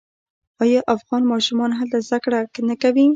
آیا افغان ماشومان هلته زده کړې نه کوي؟